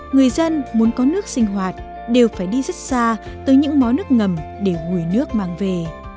người dân muốn có nước sinh hoạt đều phải đi rất xa tới những món nước ngầm để gửi nước mang về